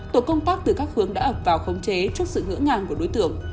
tổ công tác từ các hướng đã ập vào khống chế trước sự ngỡ ngàng của đối tượng